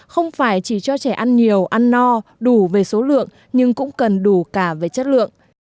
không phải chỉ cho trẻ ăn nhiều ăn no đủ về số lượng nhưng cũng cần đủ cả về chất lượng